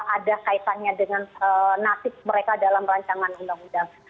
ada kaitannya dengan nasib mereka dalam rancangan undang undang